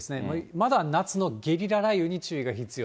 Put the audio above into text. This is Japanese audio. まだ夏のゲリラ雷雨に注意が必要。